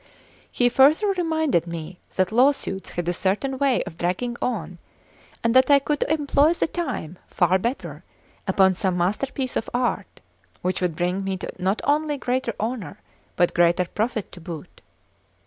He further reminded me that lawsuits had a certain way of dragging on, and that I could employ the time far better upon some masterpiece of art, which would bring me not only greater honour, but greater profit to boot.